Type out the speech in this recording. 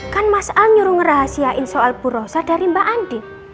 kan mas al nyuruh ngerahasiain soal burosa dari mbak andi